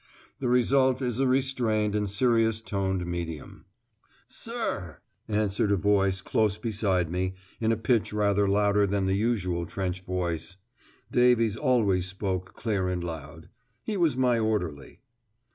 The result is a restrained and serious toned medium. "Sirr," answered a voice close beside me, in a pitch rather louder than the usual trench voice. Davies always spoke clear and loud. He was my orderly.